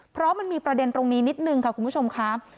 เพราะมันมีประเด็นตรงนี้นิดนึงค่ะคุณผู้ชมค่ะ